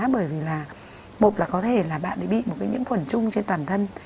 bởi vì là một là có thể là bạn ấy bị một cái nhiễm khuẩn chung trên toàn thân